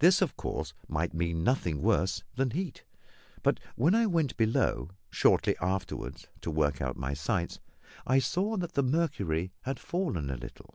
This, of course, might mean nothing worse than heat; but when I went below shortly afterwards to work out my sights, I saw that the mercury had fallen a little.